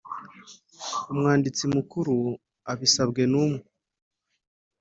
Umwanditsi Mukuru abisabwe n umwe